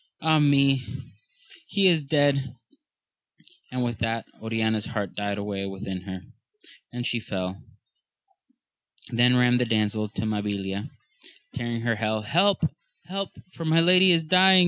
Ah me, he is dead ! and with that Oriana's heart died away within her, and she fell. Then ran the damsel to MabiHa tearing her hair. Help, help, for my lady is dying.